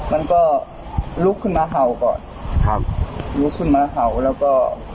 มันก็ลุกขึ้นมาเห่าก่อนครับลุกขึ้นมาเห่าแล้วก็